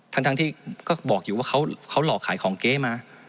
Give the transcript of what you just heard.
ทั้งที่ก็บอกอยู่ว่าเขาหลอกขายของเก๊มา